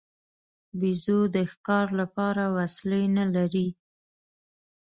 بیزو د ښکار لپاره وسلې نه لري.